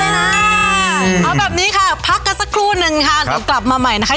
เอาแบบนี้ค่ะพักกันสักครู่นึงค่ะเดี๋ยวกลับมาใหม่นะคะ